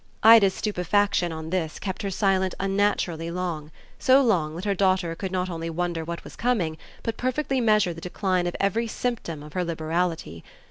Ida's stupefaction, on this, kept her silent unnaturally long, so long that her daughter could not only wonder what was coming, but perfectly measure the decline of every symptom of her liberality.